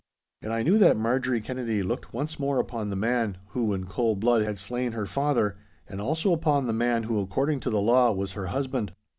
And I knew that Marjorie Kennedy looked once more upon the man who, in cold blood, had slain her father, and also upon the man who according to the law, was her husband.